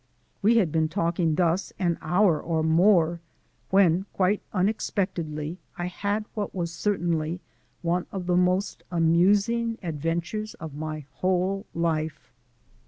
We had been talking thus an hour or more when, quite unexpectedly, I had what was certainly one of the most amusing adventures of my whole life.